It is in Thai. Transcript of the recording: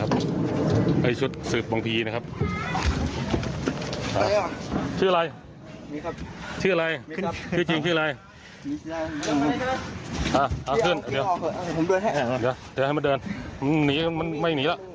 อร๊มเหนียวไม่หนีละ